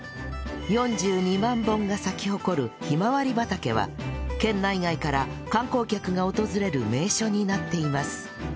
４２万本が咲き誇るひまわり畑は県内外から観光客が訪れる名所になっています